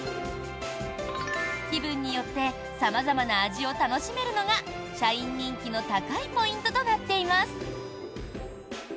気分によって様々な味を楽しめるのが社員人気の高いポイントとなっています。